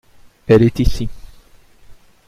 Elle est ici.